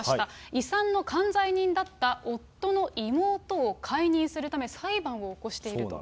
遺産の管財人だった夫の妹を解任するため、裁判を起こしていると。